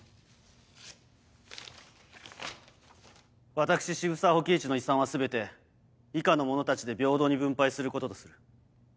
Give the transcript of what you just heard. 「私澁澤火鬼壱の遺産は全て以下の者たちで平等に分配することとする。